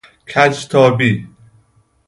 کج تابی